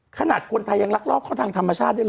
ขนาดคนไทยยังลักลอบเข้าทางธรรมชาติได้ห